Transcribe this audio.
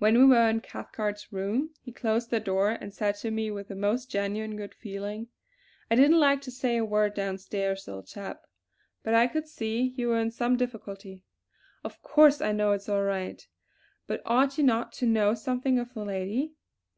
When we were in Cathcart's room, he closed the door and said to me with the most genuine good feeling: "I didn't like to say a word downstairs, old chap; but I could see you were in some difficulty. Of course I know it's all right; but ought you not to know something of the lady?